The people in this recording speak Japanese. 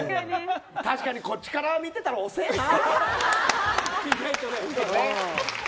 確かにこっちから見てたらおせえな。